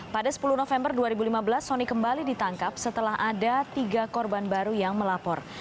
pada sepuluh november dua ribu lima belas sony kembali ditangkap setelah ada tiga korban baru yang melapor